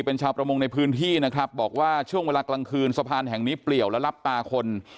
เป็นชาวประมงในพื้นที่นะครับบอกว่าช่วงเวลากลางคืนสะพานแห่งนี้เปลี่ยวและรับตาคน